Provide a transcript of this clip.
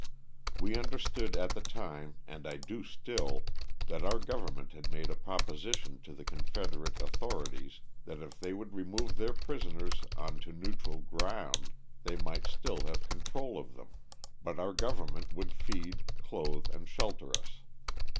We understood at the time, and I do still, that our govern ment had made a proposition to the confederate au thorities that if they would remove their prisoners on to neutral ground, they might still have control of them, but our government would feed, clothe and shelter us.